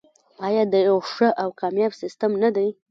آیا د یو ښه او کامیاب سیستم نه دی؟